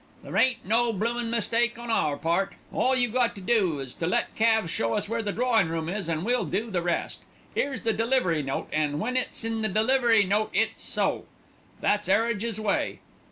"There ain't no bloomin' mistake on our part. All you got to do is to let Calves show us where the drawin' room is an' we'll do the rest. 'Ere's the delivery note, an' when it's in the delivery note it's so. That's 'Arridges' way.